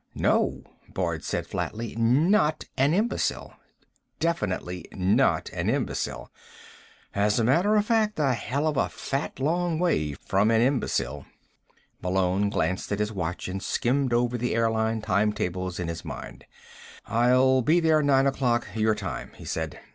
"No," Boyd said flatly. "Not an imbecile. Definitely not an imbecile. As a matter of fact, a hell of a fat long way from an imbecile." Malone glanced at his watch and skimmed over the airline timetables in his mind. "I'll be there nine o'clock, your time," he said.